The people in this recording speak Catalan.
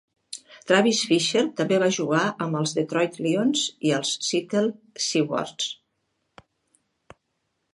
Travis Fisher també va jugar amb els Detroit Lions i els Seattle Seahawks.